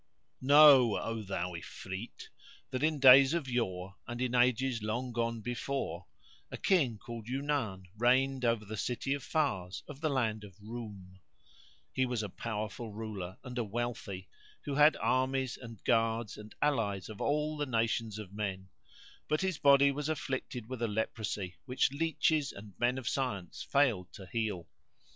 Know, O thou Ifrit, that in days of yore and in ages long gone before, a King called Yunan reigned over the city of Fars of the land of the Roum.[FN#78] He was a powerful ruler and a wealthy, who had armies and guards and allies of all nations of men; but his body was afflicted with a leprosy which leaches and men of science failed to heal.